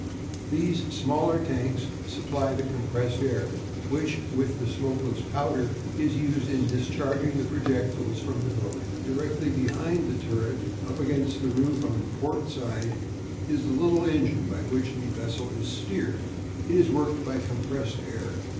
These smaller tanks supply the compressed air which, with the smokeless powder, is used in discharging the projectiles from the boat. "Directly behind the turret, up against the roof on the port side, is the little engine by which the vessel is steered; it is worked by compressed air.